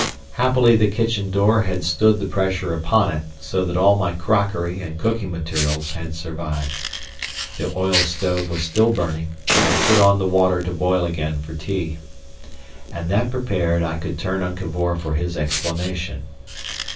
Happily the kitchen door had stood the pressure upon it, so that all my crockery and cooking materials had survived. The oil stove was still burning, and I put on the water to boil again for tea. And that prepared, I could turn on Cavor for his explanation.